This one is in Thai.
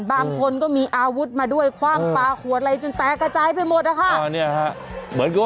บางคนก็มีอาวุธมาด้วยขว้างปลาหัวอะไรจนแตกระจายไปหมดอ่านี่